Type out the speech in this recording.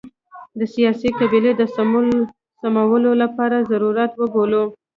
د سیاسي قبلې د سمولو لپاره ضرورت وبولو.